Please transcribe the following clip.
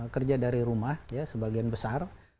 kerja dari rumah ya sebagian besar